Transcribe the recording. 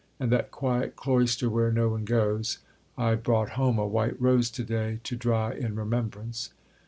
and that quiet cloister where no one goes. I brought home a white rose to day to dry in remembrance.